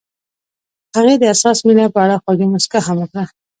هغې د حساس مینه په اړه خوږه موسکا هم وکړه.